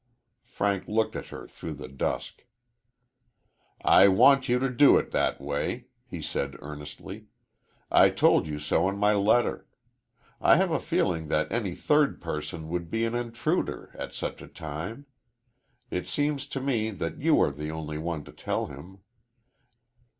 Frank looked at her through the dusk. "I want you to do it that way," he said earnestly. "I told you so in my letter. I have a feeling that any third person would be an intruder at such a time. It seems to me that you are the only one to tell him."